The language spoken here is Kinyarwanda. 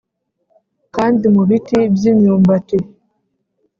kandi mu biti by'imyumbati